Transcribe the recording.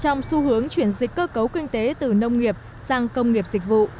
trong xu hướng chuyển dịch cơ cấu kinh tế từ nông nghiệp sang công nghiệp dịch vụ